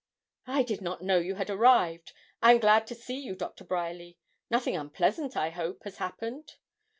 'I did not know you had arrived. I am glad to see you, Doctor Bryerly. Nothing unpleasant, I hope, has happened?'